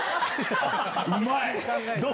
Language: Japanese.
うまい。